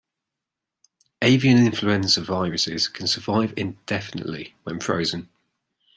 Avian influenza viruses can survive indefinitely when frozen.